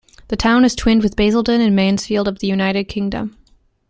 The town is twinned with Basildon and Mansfield of the United Kingdom.